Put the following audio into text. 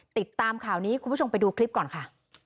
ติดตามข่าวนี้คุณผู้ชมไปดูคลิปก่อนค่ะ